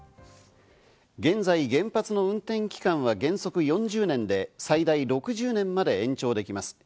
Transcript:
現在、原発の運転期間は原則４０年で、最大６０年まで延長できます。